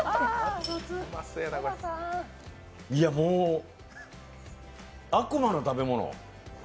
いやもう、悪魔の食べ物。